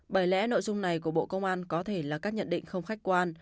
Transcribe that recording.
bởi lẽ nội dung này của bộ công an có thể là các nhận định không khách quan